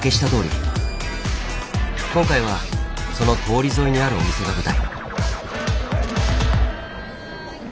今回はその通り沿いにあるお店が舞台。